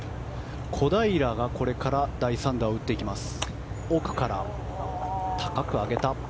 小平が第３打を打っていきます。